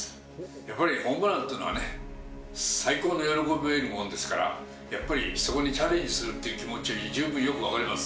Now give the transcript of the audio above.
やっぱりホームランっていうのはね、最高の喜びを得るものですから、やっぱりそこにチャレンジするという気持ちは、非常によく分かります。